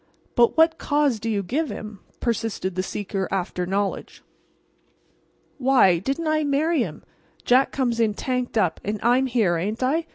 "But what cause do you give him?" persisted the seeker after knowledge. "Why, didn't I marry him? Jack comes in tanked up; and I'm here, ain't I?